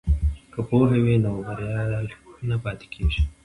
که پوهه وي نو بریا نه پاتې کیږي.